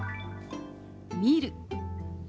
「見る」。